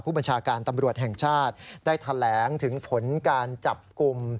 ผู้บัญชาการตำรวจแห่งชาติได้แถลงถึงผลการจับกลุ่ม